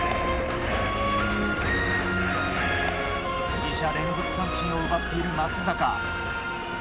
２者連続三振を奪っている松坂。